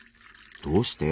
どうして？